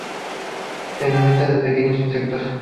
Se alimenta de pequeños insectos.